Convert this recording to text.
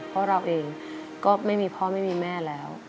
เพราะเราเองก็ไม่มีพ่อไม่มีแม่แล้ว